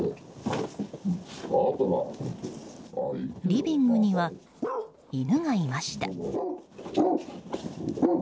リビングには犬がいました。